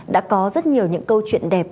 đã có rất nhiều những câu chuyện đẹp